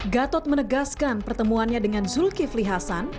gatot menegaskan pertemuannya dengan zulkifli hasan